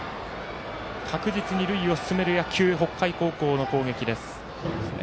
確実に塁を進める野球北海高校の攻撃です。